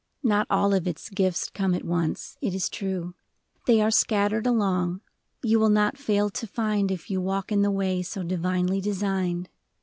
Not all of its gifts come at once, it is true : They are scattered along, — you will not fail to find, If you walk in the way so divinely designed.